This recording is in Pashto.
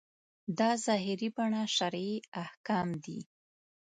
دا ظاهري بڼه شرعي احکام دي.